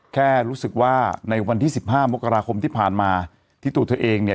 แค่รู้สึกว่าในวันที่สิบห้ามกราคมที่ผ่านมาที่ตัวเธอเองเนี่ย